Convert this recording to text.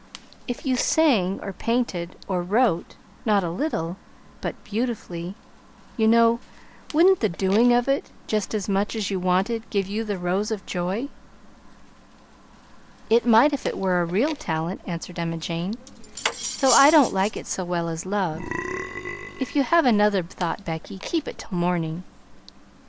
If you sang or painted or wrote, not a little, but beautifully, you know, wouldn't the doing of it, just as much as you wanted, give you the rose of joy?" "It might if it was a real talent," answered Emma Jane, "though I don't like it so well as love. If you have another thought, Becky, keep it till morning."